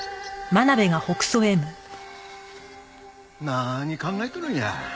何考えとるんや。